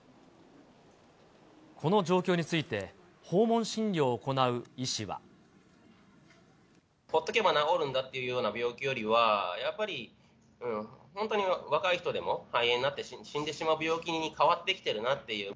この状況について、ほっとけば治るんだというような病気よりは、やっぱり、本当に若い人でも肺炎になって死んでしまう病気に変わってきてるなっていう。